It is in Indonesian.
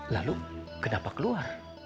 lalu kenapa keluar